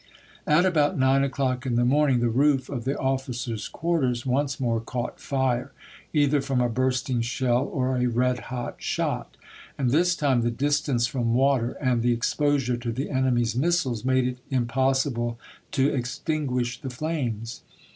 At about nine o'clock in the morning, the roof of the officers' quarters once more caught fire, either from a bursting shell or a red hot shot; and this time the distance from water, and the 58 ABRAHAM LINCOLN Chap. III. exposure to the enemy's missiles, made it impossi ble to extinguish the flames.